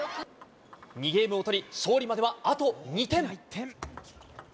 ２ゲームを取り、勝利まではあと２点。